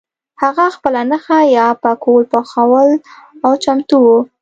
هغه خپله نښه یا پکول پخول او چمتو وو.